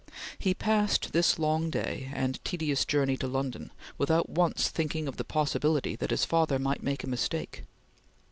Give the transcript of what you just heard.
He passed this long day, and tedious journey to London, without once thinking of the possibility that his father might make a mistake.